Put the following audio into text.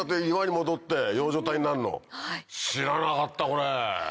知らなかったこれ！